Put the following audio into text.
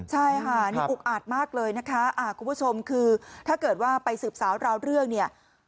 ใช่ค่ะนี่อุกอาจมากเลยนะคะคุณผู้ชมคือถ้าเกิดว่าไปสืบสาวราวเรื่องเนี่ย